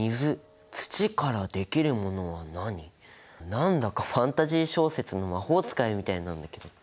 何だかファンタジー小説の魔法使いみたいなんだけど。